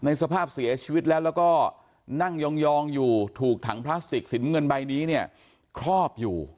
สภาพเสียชีวิตแล้วแล้วก็นั่งยองอยู่ถูกถังพลาสติกสินเงินใบนี้เนี่ยครอบอยู่